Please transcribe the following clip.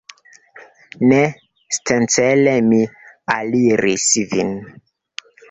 Ne sencele mi aliris vin.